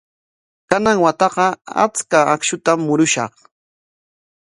Kanan wataqa achka akshutam murushaq.